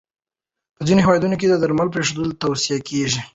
په ځینو هېوادونو کې درمل پرېښودل توصیه کېږي.